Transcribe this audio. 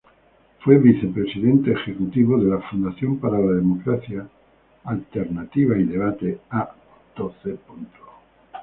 Fue vicepresidente ejecutivo de la Fundación para la Democracia -alternativa y debate- a.c.